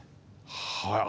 はい。